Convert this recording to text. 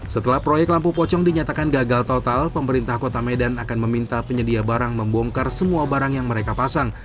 setelah proyek lampu pocong dinyatakan gagal total pemerintah kota medan akan meminta penyedia barang membongkar semua barang yang mereka pasang